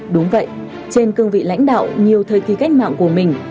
đúng vậy trên cương vị lãnh đạo nhiều thời kỳ cách mạng của mình